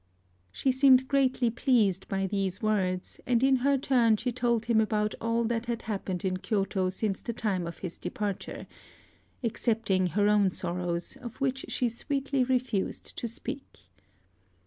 She seemed greatly pleased by these words; and in her turn she told him about all that had happened in Kyôto since the time of his departure, excepting her own sorrows, of which she sweetly refused to speak.